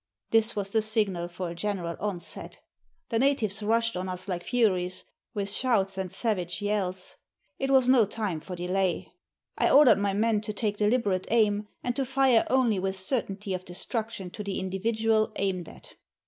This was the signal for a general onset. The natives rushed on us like furies, with shouts and savage yells ; it was no time for delay. I ordered my men to take deliberate aim, and to fire only with certainty of destruction to the individual aimed at.